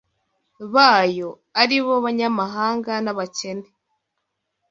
bayo ari bo banyamahanga n’abakene,